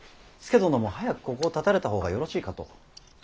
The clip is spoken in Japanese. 佐殿も早くここをたたれた方がよろしいかと。